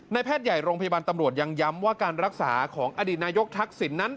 แพทย์ใหญ่โรงพยาบาลตำรวจยังย้ำว่าการรักษาของอดีตนายกทักษิณนั้น